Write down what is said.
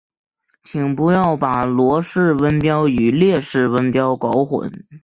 请不要把罗氏温标与列氏温标搞混。